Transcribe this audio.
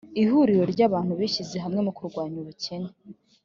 ihuriro ry abantu bishyize hamwe mu kurwanya ubukene